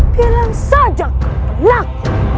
bilang saja kau penak